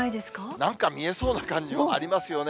なんか見えそうな感じもありますよね。